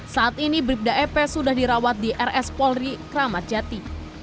saat ini bribda epe sudah dirawat di rs polri kramatjati